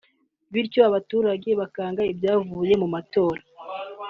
bityo abaturage bakanga ibyavuye mu matora